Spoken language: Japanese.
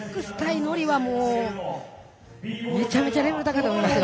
ＮＯＲＩはもう、めちゃめちゃレベル高いと思いますよ。